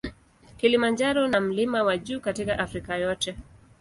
Kilimanjaro na mlima wa juu katika Afrika yote.